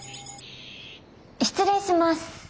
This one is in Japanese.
失礼します。